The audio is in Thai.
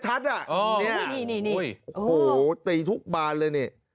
โหตีทุกบานเลยนี่